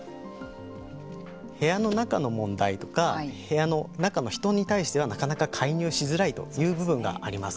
部屋の中の問題とか部屋の中の人に対してはなかなか介入しづらいという部分があります。